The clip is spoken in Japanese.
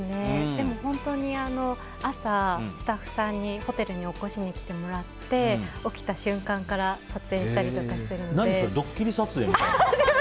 でも本当に朝、スタッフさんにホテルに起こしに来てもらって起きた瞬間から撮影したりとかしてるので。